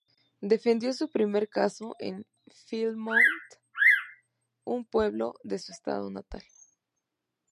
Defendió su primer caso en Plymouth, un pueblo de su estado natal.